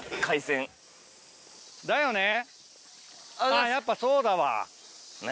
あぁやっぱそうだわ。